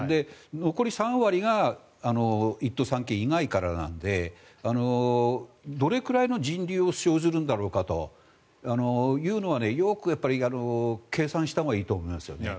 残り３割が１都３県以外からなのでどれくらいの人流が生ずるんだろうかというのはよく計算したほうがいいと思いますよね。